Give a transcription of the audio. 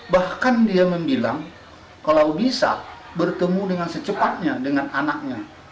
bahkan dia membilang kalau bisa bertemu dengan secepatnya dengan anaknya